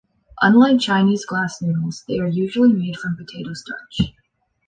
Unlike Chinese glass noodles, they are usually made from potato starch.